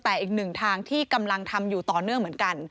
แต่อีกหนึ่งทางที่กำลังทำอยู่ต่อเนื่องเหมือนกัน